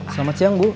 selamat siang bu